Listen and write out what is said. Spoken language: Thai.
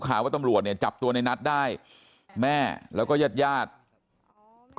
ว่าตำรวจเนี่ยจับตัวในนัทได้แม่แล้วก็ญาติญาติก็